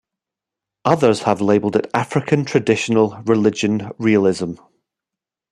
Others have labeled it African Traditional Religion realism.